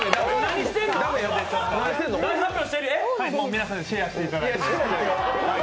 皆さんでシェアしていただいて。